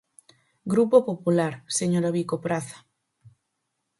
Grupo Popular, señora Bico Praza.